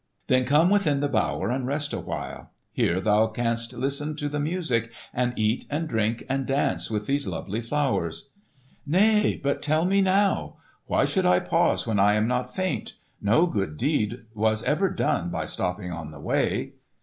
"Then come within the bower and rest awhile. Here thou canst listen to the music and eat and drink and dance with these lovely flowers." "Nay, but tell me now! Why should I pause when I am not faint? No good deed was ever done by stopping on the way."